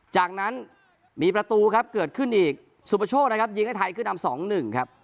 จากนั้นมีประตูครับเกิดขึ้นอีกสุปโชคนะครับยิงให้ไทยขึ้นนำสองหนึ่งครับ